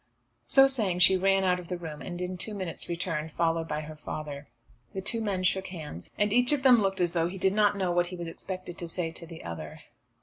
So saying she ran out of the room, and in two minutes returned, followed by her father. The two men shook hands, and each of them looked as though he did not know what he was expected to say to the other.